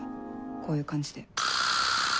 こういう感じで。